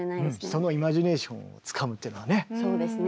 そのイマジネーションをつかむっていうのはね